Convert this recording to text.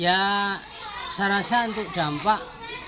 ya saya rasa untuk dampak